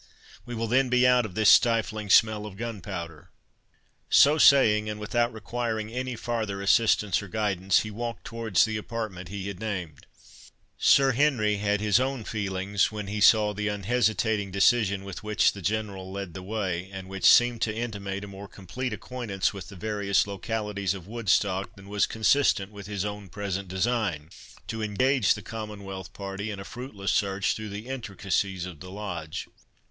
—We will then be out of this stifling smell of gunpowder." So saying, and without requiring any farther assistance or guidance, he walked towards the apartment he had named. Sir Henry had his own feelings, when he saw the unhesitating decision with which the General led the way, and which seemed to intimate a more complete acquaintance with the various localities of Woodstock than was consistent with his own present design, to engage the Commonwealth party in a fruitless search through the intricacies of the Lodge.